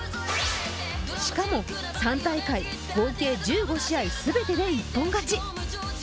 しかも３大会、合計１５試合全てで一本勝ち。